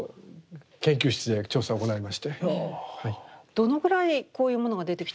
どのぐらいこういうものが出てきたんですか？